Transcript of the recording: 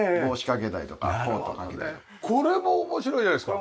これも面白いじゃないですか。